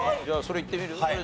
じゃあそれいってみる？